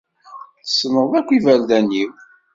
Tessneḍ akk iberdan-iw.